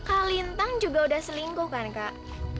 kalintang juga udah selingkuh kan kak